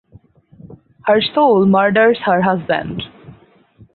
Her soul murders her husband.